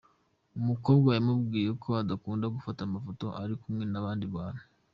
Umukobwa yamubwiye ko adakunda gufata amafoto ari kumwe n’abandi bantu.